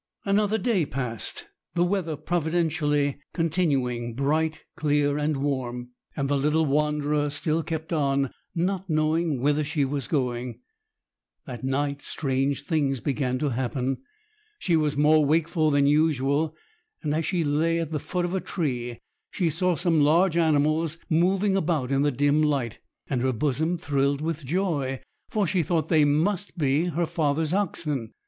Another day passed, the weather providentially continuing bright, clear, and warm, and the little wanderer still kept on, not knowing whither she was going. That night strange things began to happen. She was more wakeful than usual, and as she lay at the foot of a tree, she saw some large animals moving about in the dim light, and her bosom thrilled with joy, for she thought they must be her father's oxen.